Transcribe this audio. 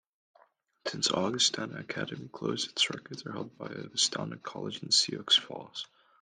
Since Augustana Academy closed, its records are held by Augustana College in Sioux Falls.